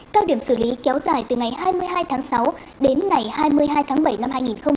cao điểm xử lý kéo dài từ ngày hai mươi hai tháng sáu đến ngày hai mươi hai tháng bảy năm hai nghìn hai mươi